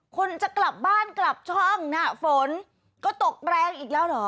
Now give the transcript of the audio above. คนจะกลับบ้านกลับช่องน่ะฝนก็ตกแรงอีกแล้วเหรอ